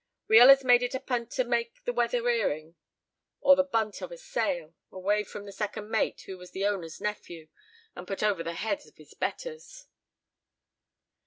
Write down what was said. We allers made it a p'int to take the weather earing, or the bunt of a sail, away from the second mate, who was the owner's nephew, and put over the head of his betters."